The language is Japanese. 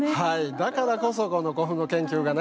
だからこそこの古墳の研究がね